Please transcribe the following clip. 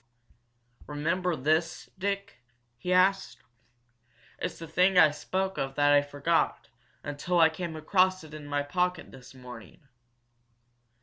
"Remember this, Dick?" he asked. "It's the thing I spoke of that I forgot until I came across it in my pocket this morning."